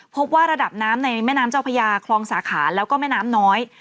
พบว่าระดับน้ำในแม่น้ำเจ้าพญาคลองสาขาแล้วก็แม่น้ำน้อย